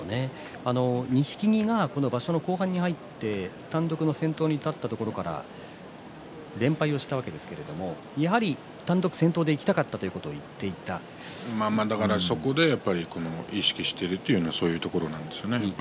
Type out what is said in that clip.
錦木が場所の後半に入って単独の先頭に立ったところから連敗したわけですけれどもやはり単独先頭でいきたかったそこで意識しているというのはそういうところなんですね。